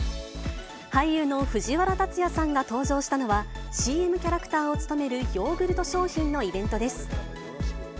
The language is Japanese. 俳優の藤原竜也さんが登場したのは、ＣＭキャラクターを務めるヨーグルト商品のイベントです。